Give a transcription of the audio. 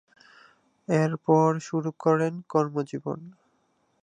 এরপর শুরু করেন কর্মজীবন।